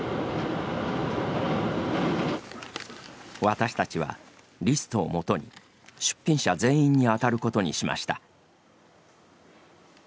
私たちは、リストをもとに出品者全員にあたることにしました。